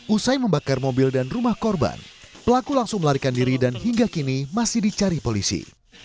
usai membakar mobil dan rumah korban pelaku langsung melarikan diri dan hingga kini masih dicari polisi